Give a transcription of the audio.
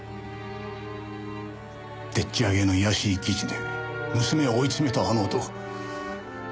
でっち上げの卑しい記事で娘を追い詰めたあの男。